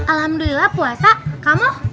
alhamdulillah puasa kamu